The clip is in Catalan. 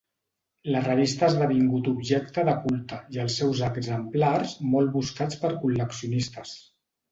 La revista ha esdevingut objecte de culte i els seus exemplars molt buscats per col·leccionistes.